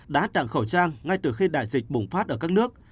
đã tặng khẩu trang ngay từ khi đại dịch bùng phát ở các nước